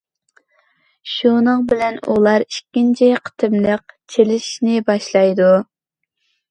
شۇنىڭ بىلەن ئۇلار ئىككىنچى قېتىملىق چېلىشىشىنى باشلايدۇ.